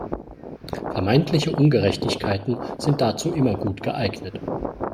Vermeintliche Ungerechtigkeiten sind dazu immer gut geeignet.